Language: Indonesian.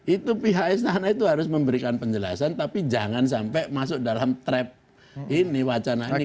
itu pihak istana itu harus memberikan penjelasan tapi jangan sampai masuk dalam trap ini wacana ini